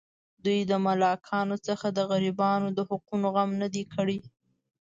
دوی د ملاکانو څخه د غریبانو د حقوقو غم نه دی کړی.